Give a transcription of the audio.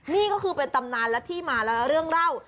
นี่ก็คือเป็นตำนานและที่มาและเรื่องเล่า